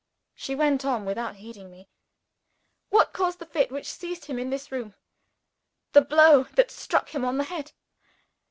She went on without heeding me. "What caused the fit which seized him in this room? The blow that struck him on the head.